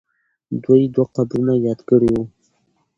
دوی دوه قبرونه یاد کړي وو.